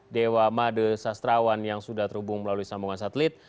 dewa made sastrawan yang sudah terhubung melalui sambungan satelit